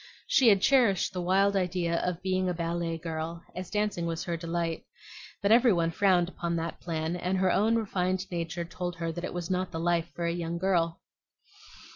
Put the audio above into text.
She had cherished the wild idea of being a ballet girl, as dancing was her delight; but every one frowned upon that plan, and her own refined nature told her that it was not the life for a young girl.